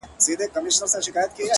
ځوان دعا کوي؛